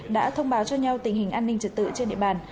đã thông báo cho nhau tình hình an ninh trật tự trên địa bàn